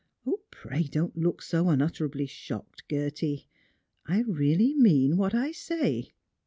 Pray don't look so unutterably shocked, Gerty. I really mean what I say.